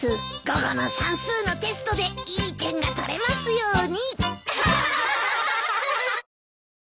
午後の算数のテストでいい点が取れますように。